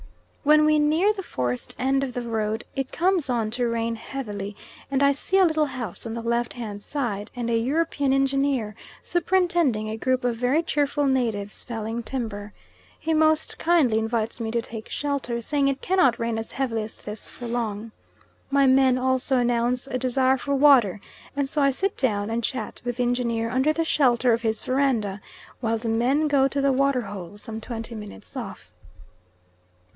When we near the forest end of the road, it comes on to rain heavily, and I see a little house on the left hand side, and a European engineer superintending a group of very cheerful natives felling timber. He most kindly invites me to take shelter, saying it cannot rain as heavily as this for long. My men also announce a desire for water, and so I sit down and chat with the engineer under the shelter of his verandah, while the men go to the water hole, some twenty minutes off.